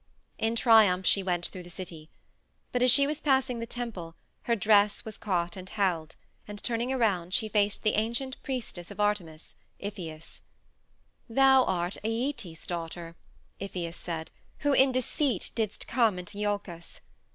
In triumph she went through the city. But as she was passing the temple her dress was caught and held, and turning around she faced the ancient priestess of Artemis, Iphias. "Thou art Æetes's daughter," Iphias said, "who in deceit didst come into Iolcus.